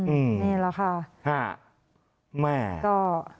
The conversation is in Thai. นี่แหละค่ะแม่ก็